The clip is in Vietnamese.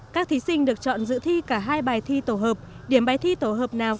các thí sinh được chọn dự thi cả hai bài thi tổ hợp điểm bài thi tổ hợp nào